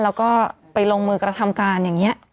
แล้วก็ไปลงมือกระทำการอย่างนี้